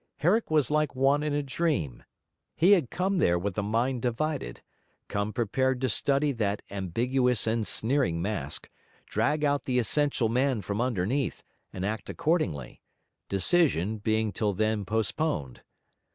Herrick was like one in a dream. He had come there with a mind divided; come prepared to study that ambiguous and sneering mask, drag out the essential man from underneath, and act accordingly; decision being till then postponed.